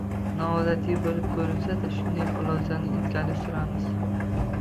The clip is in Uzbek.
Noodatiy bo`lib ko`rinsa-da, shunday xulosani ilgari suramiz